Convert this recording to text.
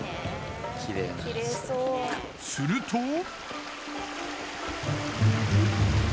すると。